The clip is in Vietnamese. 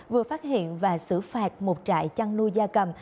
vừa phát hiện và xử phạt một trại chăn nuôi da cầm